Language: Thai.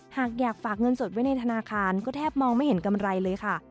หากอยากฝากเงินสดไว้ในธนาคารก็แทบมองไม่เห็นกำไรเลยค่ะ